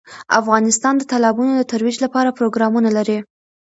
افغانستان د تالابونه د ترویج لپاره پروګرامونه لري.